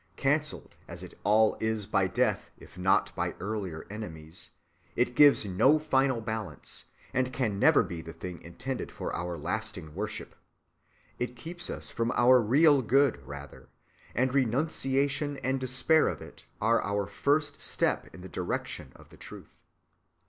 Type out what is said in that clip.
Cancelled as it all is by death if not by earlier enemies, it gives no final balance, and can never be the thing intended for our lasting worship. It keeps us from our real good, rather; and renunciation and despair of it are our first step in the direction of the truth.